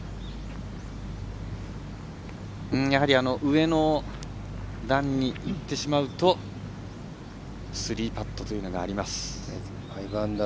上の段にいってしまうと３パットというのがあります。